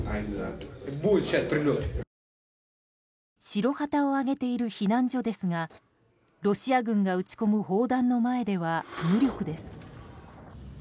白旗を揚げている避難所ですがロシア軍が撃ち込む砲弾の前では無力です。